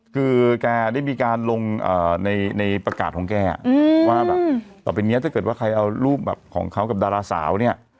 คือแกได้มีการลงในประกาศของแกว่าแบบต่อไปนี้ถ้าเกิดว่าใครเอารูปแบบของเขากับดาราสาวเนี่ย